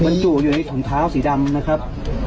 มันถูกอยู่ในขุมเท้าสีดำนะครับ